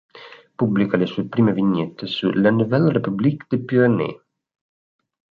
Pubblica le sue prime vignette su "La Nouvelle République des Pyrénées".